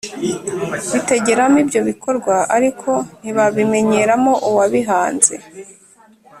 bitegereza ibyo bikorwa, ariko ntibabimenyeramo Uwabihanze.